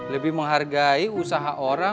lebih menghargai usaha orang